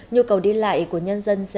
nhu cầu đi lại của nhân dân